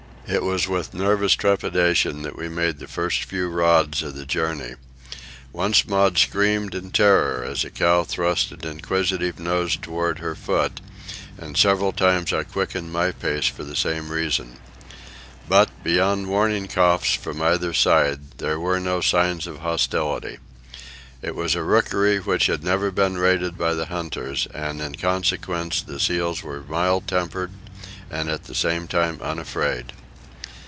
It was with nervous trepidation that we made the first few rods of the journey. Once Maud screamed in terror as a cow thrust an inquisitive nose toward her foot, and several times I quickened my pace for the same reason. But, beyond warning coughs from either side, there were no signs of hostility. It was a rookery which had never been raided by the hunters, and in consequence the seals were mild tempered and at the same time unafraid.